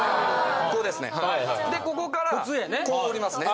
こうですねでここからこう折りますね。